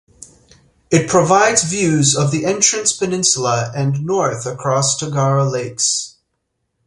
It provides views of The Entrance peninsula and north across Tuggerah Lakes.